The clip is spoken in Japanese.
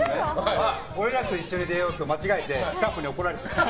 俺らと一緒に出ようと間違えてスタッフに怒られてた。